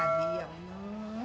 ah diam mbak